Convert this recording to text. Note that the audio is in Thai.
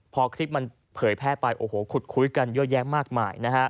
พอคลิปมันเผยแพร่ไปขุดคุ้ยกันเยอะแยะมากมาย